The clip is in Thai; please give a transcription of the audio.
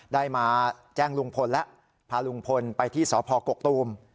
ได้มาแจ้งลุงพลแล้วพาลุงพลไปที่สพกกตูม